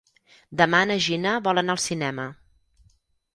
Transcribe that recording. Demà na Gina vol anar al cinema.